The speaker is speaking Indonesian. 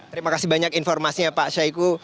terima kasih banyak informasinya pak syahiku